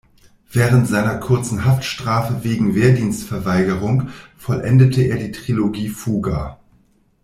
Während seiner kurzen Haftstrafe wegen Wehrdienstverweigerung vollendete er die Trilogie "Fuga".